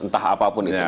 entah apapun itu